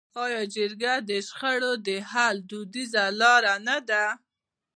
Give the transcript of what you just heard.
آیا جرګه د شخړو د حل دودیزه لاره نه ده؟